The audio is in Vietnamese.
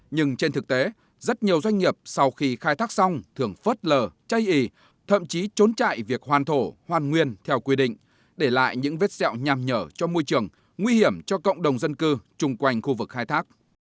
nhưng trên thực tế rất nhiều doanh nghiệp sau khi khai thác xong thường phớt lờ chay ý thậm chí trốn chạy việc hoàn thổ hoàn nguyên theo quy định để lại những vết sẹo nhằm nhở cho môi trường nguy hiểm cho cộng đồng dân cư chung quanh khu vực khai thác